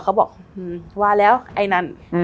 เขาบอกว่าแล้วไอ้นั่น